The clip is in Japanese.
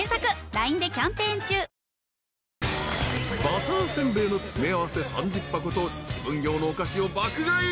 ［バターせんべいの詰め合わせ３０箱と自分用のお菓子を爆買い］